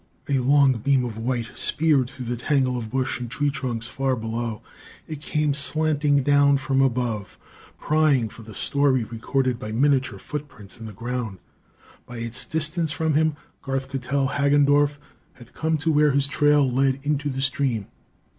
A long beam of white speared through the tangle of bush and tree trunks far below. It came slanting down from above, prying for the story recorded by miniature footprints in the ground. By its distance from him, Garth could tell Hagendorff had come to where his trail led into the stream.